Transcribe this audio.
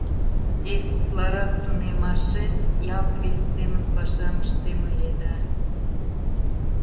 Эк, утларак тунемашет, ялт вес семын пашам ыштем ыле да.